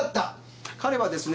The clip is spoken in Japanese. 彼はですね